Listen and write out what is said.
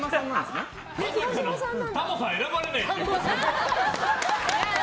タモさん選ばれないっていう。